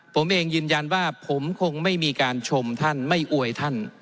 ผมเองยืนยันว่าผมคงไม่มีการชมท่านไม่อวยท่าน